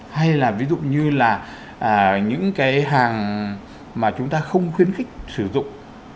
hay là ví dụ như là những cái hàng mà chúng ta không khuyến khích sử dụng